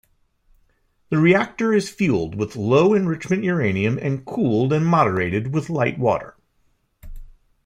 The reactor is fuelled with low-enrichment uranium and cooled and moderated with light water.